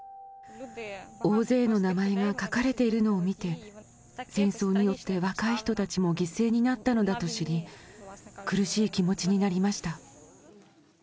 大勢の名前が書かれているのを見て、戦争によって若い人たちも犠牲になったのだと知り、苦しい気持ちになりました。